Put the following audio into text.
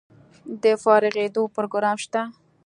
د فارغیدو پروګرام شته؟